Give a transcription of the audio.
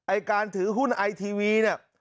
ไอ้การถือหุ้นไอทีวีเนี่ย